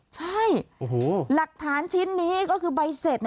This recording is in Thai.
ใช่หลักฐานชิ้นนี้ก็คือใบเสร็จ